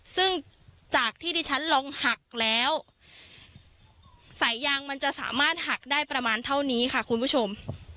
ซึ่งจากที่ดิฉันลองหักแล้วสายยางมันจะสามารถหักได้ประมาณเท่านี้ค่ะคุณผู้ชม